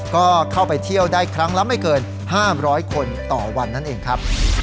ก็เข้าไปเที่ยวได้ครั้งละไม่เกิน๕๐๐คนต่อวันนั่นเองครับ